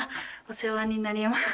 お世話になります。